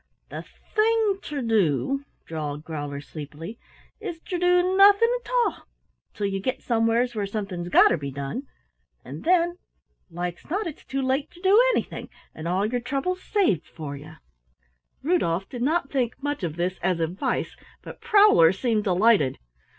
"The thing ter do," drawled Growler sleepily, "is ter do nothin' 'tall till ye git somewheres where somethin's gotter be did, an' then like's not it's too late ter do anything an' all yer trouble's saved for ye!" Rudolf did not think much of this as advice, but Prowler seemed delighted.